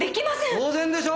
当然でしょ！